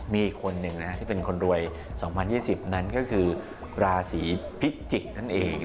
มีอีกคนหนึ่งที่เป็นคนรวย๒๐๒๐นั้นก็คือราศีพิจิกษ์นั่นเอง